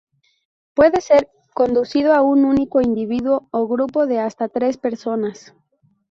Puede ser concedido a un único individuo o grupo de hasta tres personas.